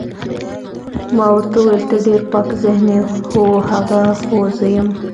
ما ورته وویل ته ډېر پاک ذهنه یې، هو، هغه خو زه یم.